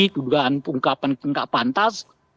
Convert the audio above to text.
dugaan pungkapan kengkak pantas